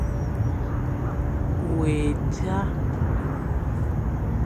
We nẑa ?